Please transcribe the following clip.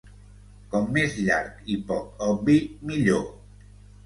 Com més llarg i poc obvi, millor.